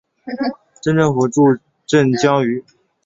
镇政府驻镇江圩。